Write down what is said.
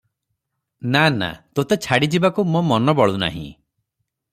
ନା, ନା, ତୋତେ ଛାଡ଼ି ଯିବାକୁ ମୋ ମନ ବଳୁ ନାହିଁ ।"